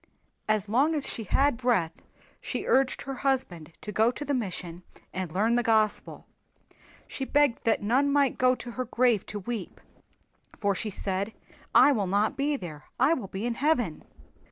As long as she had breath she urged her husband to go to the mission and learn the Gospel. She begged that none might go to her grave to weep, for she said, "I will not be there. I will be in Heaven."